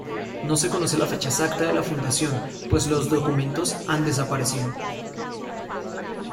No se conoce la fecha exacta de la fundación pues los documentos han desaparecido.